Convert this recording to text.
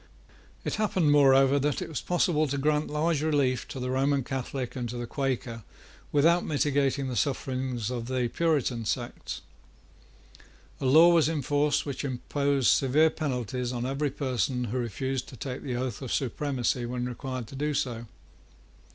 It happened, moreover, that it was possible to grant large relief to the Roman Catholic and to the Quaker without mitigating the sufferings of the Puritan sects. A law was in force which imposed severe penalties on every person who refused to take the oath of supremacy when required to do so.